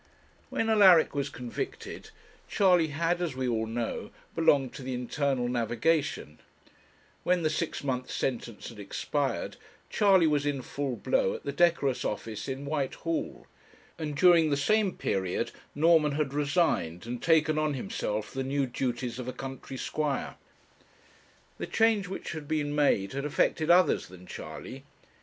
When Alaric was convicted, Charley had, as we all know, belonged to the Internal Navigation; when the six months' sentence had expired, Charley was in full blow at the decorous office in Whitehall; and during the same period Norman had resigned and taken on himself the new duties of a country squire. The change which had been made had affected others than Charley.